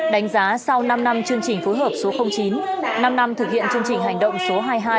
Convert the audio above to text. đánh giá sau năm năm chương trình phối hợp số chín năm năm thực hiện chương trình hành động số hai mươi hai